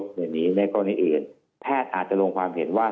พแททย์อาจจะลงความเห็นว่า